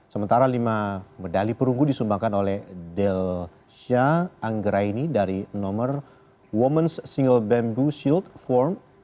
sementara lima medali perunggu disumbangkan oleh del shah anggraini dari nomor women's single bamboo shield form